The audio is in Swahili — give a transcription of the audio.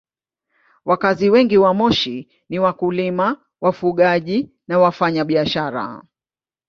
Wakazi wengi wa Moshi ni wakulima, wafugaji na wafanyabiashara.